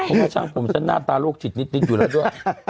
เพราะว่าช่างผมฉันหน้าตาโรคจิตนิดอยู่แล้วด้วย